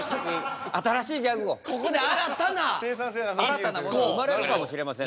新たなものが生まれるかもしれません。